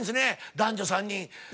「男女３人」。